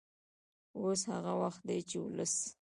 اوس هغه وخت دی چې ولس